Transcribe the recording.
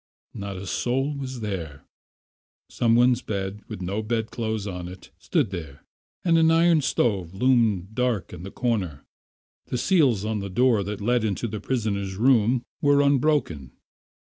Not a soul was there. Some one's bed, with no bedclothes on it, stood there, and an iron stove loomed dark in the corner. The seals on the door that led into the prisoner's room were unbroken.